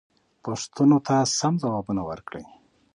پوښتنو ته سم ځوابونه ورکړئ.